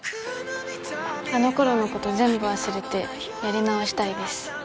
あの頃のこと全部忘れてやり直したいです。